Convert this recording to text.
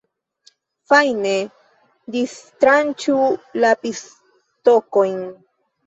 Fajne distranĉu la pistakojn.